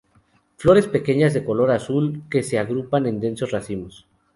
Flores pequeñas de color azul que se agrupan en densos racimos.